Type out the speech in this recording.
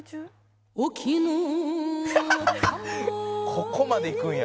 ここまでいくんや」